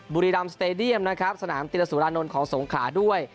บุรีรำสเตดียมนะครับสนามติรสุรานนท์ของสงขลาด้วย